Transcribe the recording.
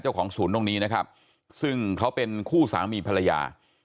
ของศูนย์ตรงนี้นะครับซึ่งเขาเป็นคู่สามีภรรยา